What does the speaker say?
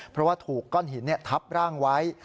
เพราะว่าถูกก้อนหินทับร่างไว้